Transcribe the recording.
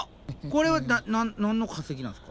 これは何の化石なんすか？